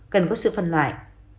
cần có sự phân loại